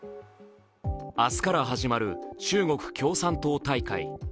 明日から始まる中国共産党大会。